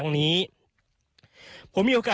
อันนี้คือเต็มร้อยเปอร์เซ็นต์แล้วนะครับ